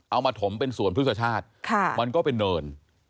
เอามาถมเป็นสวนพฤษชาติมันก็เป็นเนิน